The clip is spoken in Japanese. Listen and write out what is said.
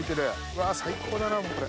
うわ最高だなこれ。